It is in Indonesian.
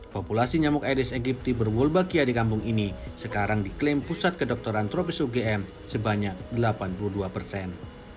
populasi nyamuk aedes egypti berbulbakia di kampung ini sekarang diklaim pusat kedokteran tropis ugm sebanyak delapan puluh dua persen